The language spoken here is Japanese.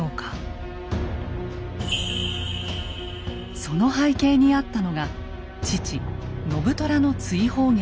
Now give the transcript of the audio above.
その背景にあったのが父・信虎の追放劇です。